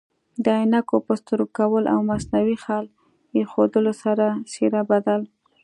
د عینکو په سترګو کول او مصنوعي خال ایښودلو سره څیره بدل